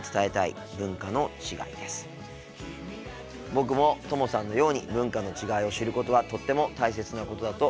僕もともさんのように文化の違いを知ることはとっても大切なことだと思います。